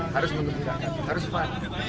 harus mengembirakan harus faham